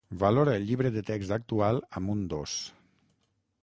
Valora el llibre de text actual amb un dos